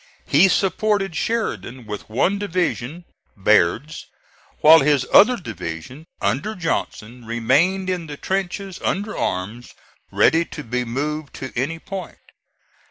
He supported Sheridan with one division (Baird's), while his other division under Johnson remained in the trenches, under arms, ready to be moved to any point.